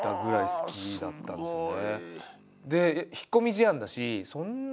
好きだったんですよね。